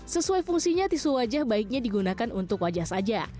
sesuai fungsinya tisu wajah baiknya digunakan untuk wajah saja